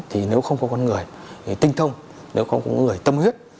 thì nếu không có con người tinh thông nếu không có người tâm huyết